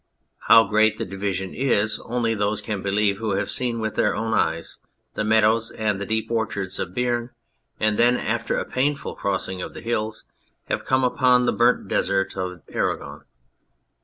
How great the division is only those can believe who have seen with their own eyes the meadows and the deep orchards of Beam, and then, after a painful crossing of the hills, have come upon the burnt deserts of Aragon.